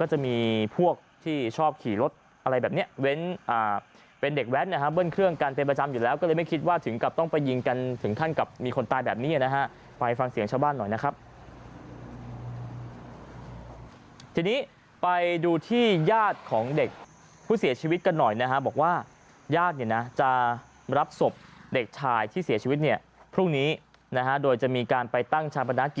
ก็จะมีพวกที่ชอบขี่รถอะไรแบบนี้เป็นเด็กแว้นเบื้องเครื่องกันเป็นประจำอยู่แล้วก็เลยไม่คิดว่าถึงกับต้องไปยิงกันถึงท่านกับมีคนตายแบบนี้นะฮะไปฟังเสียงชาวบ้านหน่อยนะครับทีนี้ไปดูที่ญาติของเด็กผู้เสียชีวิตกันหน่อยนะฮะบอกว่าญาติจะรับศพเด็กชายที่เสียชีวิตเนี่ยพรุ่งนี้โดยจะมีการไปตั้งช